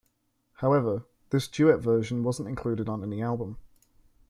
However, this duet version wasn't included on any album.